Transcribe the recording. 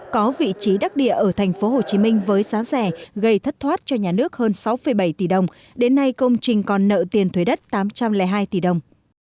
có vị trí đắc địa ở tp hcm với giá rẻ gây thất thoát cho nhà nước hơn sáu bảy tỷ đồng đến nay công trình còn nợ tiền thuế đất tám trăm linh hai tỷ đồng